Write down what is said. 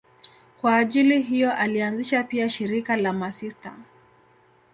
Kwa ajili hiyo alianzisha pia shirika la masista.